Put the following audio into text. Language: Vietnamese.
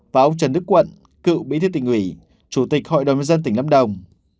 và ông trần đức quận cựu bí thư tỉnh ủy chủ tịch hội đồng nhân dân tỉnh lâm đồng